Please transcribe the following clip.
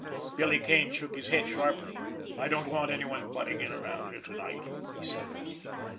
Billy Kane shook his head sharply. "I don't want anybody butting in around here to night!" he said roughly.